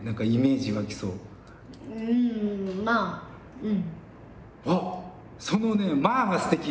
うん。